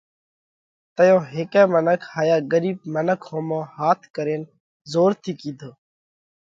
تئيون هيڪئہ منک هائيا ڳرِيٻ منک ۿومو هاٿ ڪرينَ زور ٿِي ڪِيڌو: